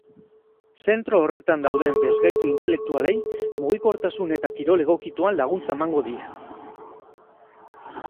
Zentro horretan dauden desgaitu intelektualei mugikortasun eta kirol egokituan laguntza emango die.